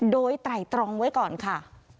โดยไตรตรองไว้ก่อนค่ะ